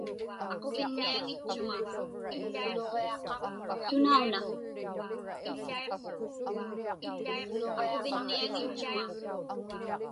Sunauna?